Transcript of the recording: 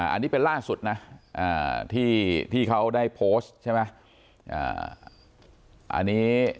อันนี้เป็นล่าสุดนะที่เขาได้โพสต์ใช่ไหม